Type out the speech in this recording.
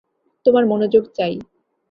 তোমার মনোযোগ চাই।